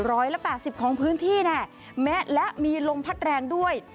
ร้อยละแปดสิบของพื้นที่แน่และมีลมพัดแรงด้วย